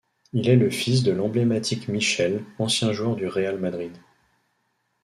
Il est le fils de l'emblématique Míchel, ancien joueur du Real Madrid.